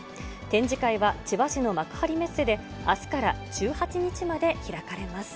展示会は千葉市の幕張メッセで、あすから１８日まで開かれます。